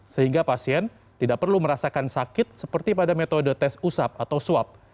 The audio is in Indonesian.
sehingga pasien tidak perlu merasakan sakit seperti pada metode tes usap atau swab